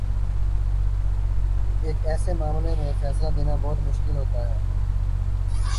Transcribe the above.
ایک ایسے معاملے میں فیصلہ دینا بہت مشکل ہوتا ہے۔